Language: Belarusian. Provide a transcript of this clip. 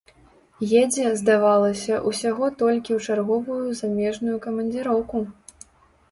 Едзе, здавалася, усяго толькі ў чарговую замежную камандзіроўку.